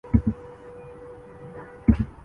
معمول کی چھانٹی